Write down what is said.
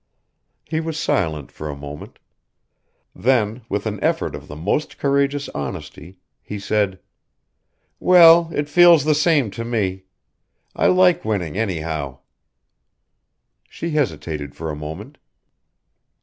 He was silent for a moment. Then, with an effort of the most courageous honesty, he said: "Well, it feels the same to me. I like winning anyhow." She hesitated for a moment.